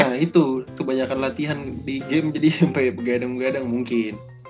ya itu kebanyakan latihan di game jadi sampai gadang gadang mungkin